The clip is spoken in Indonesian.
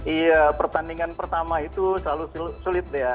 iya pertandingan pertama itu selalu sulit ya